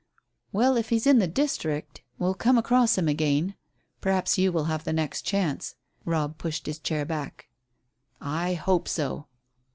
"Well, if he's in the district, we'll come across him again. Perhaps you will have the next chance." Robb pushed his chair back. "I hope so."